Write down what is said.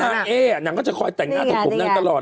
นางเอ่อนางก็จะคอยแต่งหน้าตรงผมนั่นตลอด